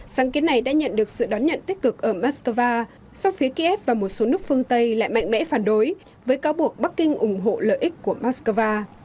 sáng kiến này đã nhận được sự đón nhận tích cực ở moscow sau phía kiev và một số nước phương tây lại mạnh mẽ phản đối với cáo buộc bắc kinh ủng hộ lợi ích của moscow